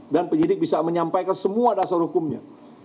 dan penyidik bisa menyampaikan semua dasar hukumnya